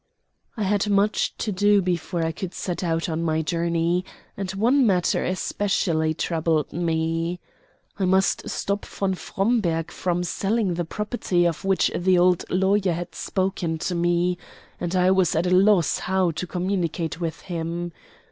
I had much to do before I could set out on my journey, and one matter especially troubled me. I must stop von Fromberg from selling the property of which the old lawyer had spoken to me, and I was at a loss how to communicate with him.